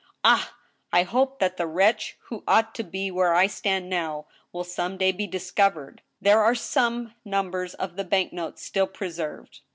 ... Ah ! I hope that the wretch who ought to be where I now stand, will some day be dis covered. There are some numbers of the bank notes still pre served.